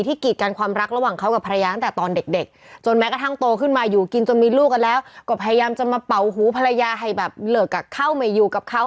กีดกันความรักระหว่างเขากับภรรยาตั้งแต่ตอนเด็กจนแม้กระทั่งโตขึ้นมาอยู่กินจนมีลูกกันแล้วก็พยายามจะมาเป่าหูภรรยาให้แบบเลิกกับเข้าไม่อยู่กับเขา